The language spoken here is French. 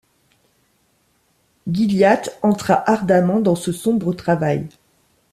Gilliatt entra ardemment dans ce sombre travail.